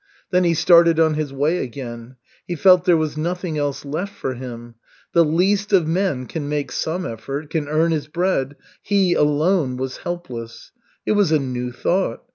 Then he started on his way again. He felt there was nothing else left for him. The least of men can make some effort, can earn his bread. He alone was helpless. It was a new thought.